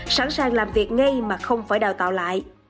sẵn sàng làm việc ngay mà không phải đào tạo lại